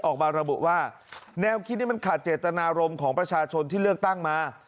ออกมาระบุว่าแนวคิดนี้มันขาดเจตนารมณ์ของประชาชนที่เลือกตั้งมา